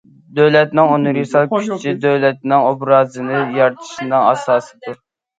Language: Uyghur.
دۆلەتنىڭ ئۇنىۋېرسال كۈچى دۆلەتنىڭ ئوبرازىنى يارىتىشنىڭ ئاساسىدۇر.